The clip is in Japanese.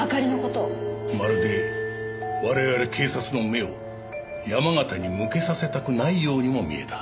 まるで我々警察の目を山形に向けさせたくないようにも見えた。